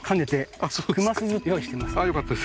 あよかったです。